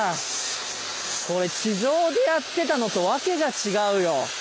これ地上でやってたのと訳が違うよ。